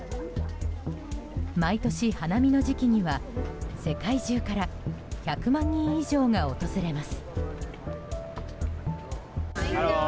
毎年、花見の時期には世界中から１００万人以上が訪れます。